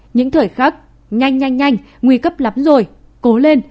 những thời khắc nhanh nhanh nguy cấp lắm rồi cố lên